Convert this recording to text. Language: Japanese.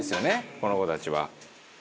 この子たちは」